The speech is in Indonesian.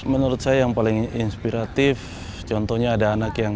menurut saya yang paling inspiratif contohnya ada anak yang